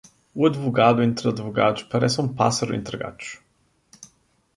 O advogado entre os advogados parece um pássaro entre gatos.